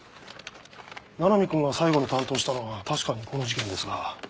七海君が最後に担当したのは確かにこの事件ですが。